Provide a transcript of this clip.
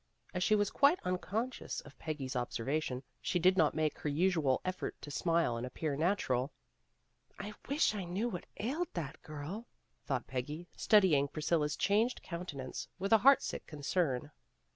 As she was quite uncon scious of Peggy 's observation, she did not make her usual effort to smile and appear natural. "I wish I knew what ailed that girl," thought Peggy, studying Priscilla's changed counten ance with a heart sick concern.